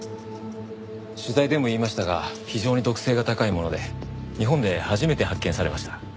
取材でも言いましたが非常に毒性が高いもので日本で初めて発見されました。